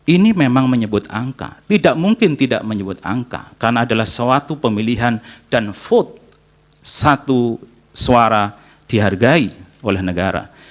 ini memang menyebut angka tidak mungkin tidak menyebut angka karena adalah suatu pemilihan dan vote satu suara dihargai oleh negara